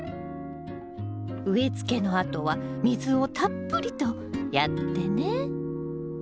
植えつけのあとは水をたっぷりとやってね。